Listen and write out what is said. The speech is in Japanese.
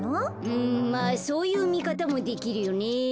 うんまあそういうみかたもできるよね。